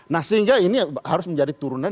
nah sehingga ini harus menjadi turunan